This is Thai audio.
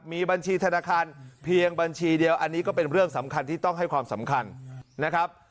มีบัญชีธนาคารเพียงบัญชีเดียวอันนี้ก็เป็นเรื่องสำคัญที่ต้องให้ความสำคัญนะครับ